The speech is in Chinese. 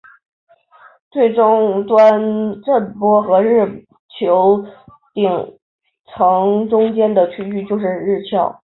在终端震波和日球层顶中间的区域就是日鞘。